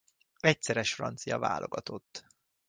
Egyszeres francia válogatott.